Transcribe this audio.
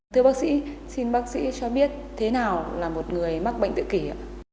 thưa bác sĩ xin bác sĩ cho biết thế nào là một người mắc bệnh tự kỳ ạ